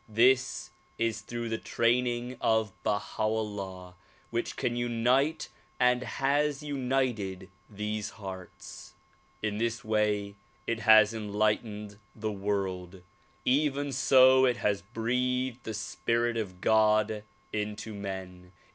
This is through the DISCOURSES DELIVERED IN CHICAGO 75 training of Baha 'Ullah which can unite and has united these hearts. In this way it has enlightened the world. Even so it has breathed the spirit of God into men.